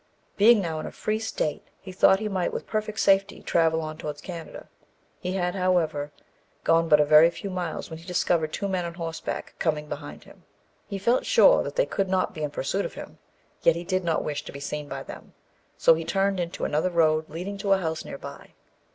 Being now in a Free State, he thought he might with perfect safety travel on towards Canada. He had, however, gone but a very few miles when he discovered two men on horseback coming behind him. He felt sure that they could not be in pursuit of him, yet he did not wish to be seen by them, so he turned into another road leading to a house near by.